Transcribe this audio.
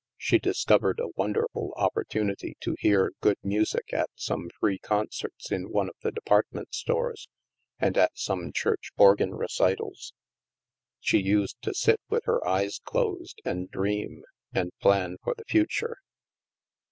She discovered a wonderful opportunity to hear good music at some free concerts in one of the de partment stores and at some church organ recitals. She used to sit with her eyes closed, and dream, and plan for the future.